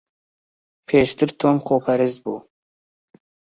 پێشتر تۆم خۆپەرست بوو.